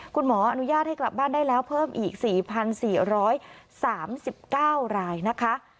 คุณหมออนุญาตให้กลับบ้านได้แล้วเพิ่มอีกสี่พันสี่ร้อยสามสิบเก้ารายนะคะ